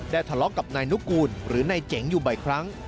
ทะเลาะกับนายนุกูลหรือนายเจ๋งอยู่บ่อยครั้ง